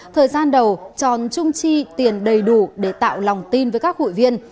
thời gian đầu tròn trung chi tiền đầy đủ để tạo lòng tin với các hụi viên